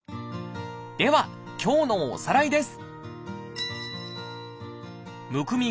では今日のおさらいです